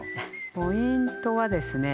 ポイントはですね